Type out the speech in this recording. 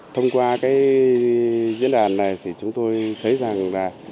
thông qua cái diễn đàn này thì chúng tôi thấy rằng là